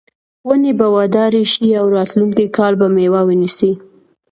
ونې به وډارې شي او راتلونکي کال به میوه ونیسي.